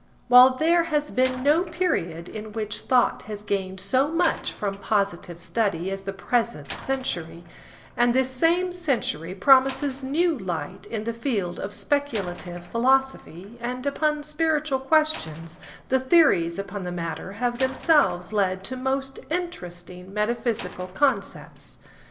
While there has been no period in which thought has gained so much from positive study as the present century, and this same century promises new light in the field of speculative philosophy and upon spiritual questions, the theories upon the matter have themselves led to most interesting metaphysical concepts.